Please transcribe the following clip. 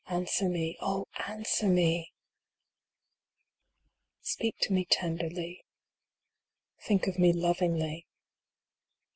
Answer me Oh, answer me ! IIL Speak to me tenderly. Think of me lovingly.